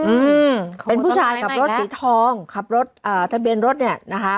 อืมเป็นผู้ชายขับรถสีทองขับรถอ่าทะเบียนรถเนี้ยนะคะ